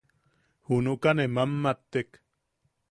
Junuka ne mammattek.